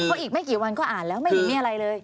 เพราะอีกไม่กี่วันก็อ่านแล้วไม่เห็นมีอะไรเลย